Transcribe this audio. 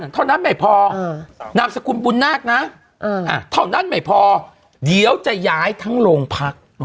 เท่านั้นไม่พอนามสกุลบุญนาคนะเท่านั้นไม่พอเดี๋ยวจะย้ายทั้งโรงพัก